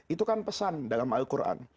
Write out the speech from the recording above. itu kan pesan dalam al quran